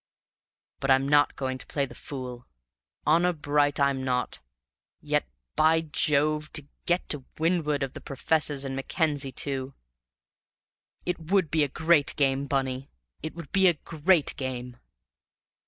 But I'm not going to play the fool; honor bright, I'm not; yet by Jove! to get to windward of the professors and Mackenzie too! It would be a great game, Bunny, it would be a great game!"